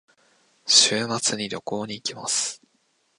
週末に旅行に行きます。